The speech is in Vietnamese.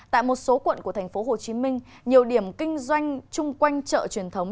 tại một số quận của tp hcm nhiều điểm kinh doanh chung quanh chợ truyền thống